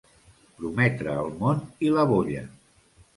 Prometre el món i la bolla.